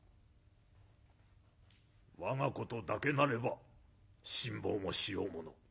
「我がことだけなれば辛抱もしようもの。